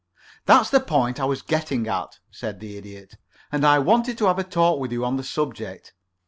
"That's the point I was getting at," said the Idiot, "and I wanted to have a talk with you on the subject.